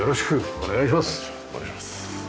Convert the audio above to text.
お願いします。